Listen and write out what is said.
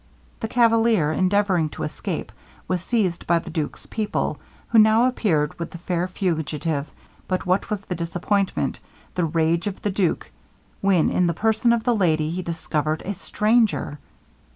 The cavalier, endeavouring to escape, was seized by the duke's people, who now appeared with the fair fugitive; but what was the disappointment the rage of the duke, when in the person of the lady he discovered a stranger!